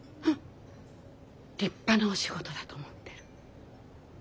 立派なお仕事だと思ってる。